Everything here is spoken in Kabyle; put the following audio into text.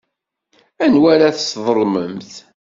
Anwa ara tesḍelmemt?